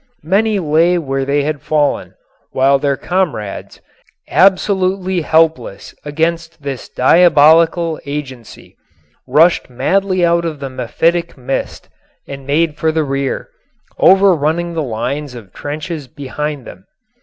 Many lay where they had fallen, while their comrades, absolutely helpless against this diabolical agency, rushed madly out of the mephitic mist and made for the rear, over running the lines of trenches behind them.